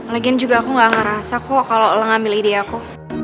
lagian juga aku gak ngerasa kok kalau ngambil ide aku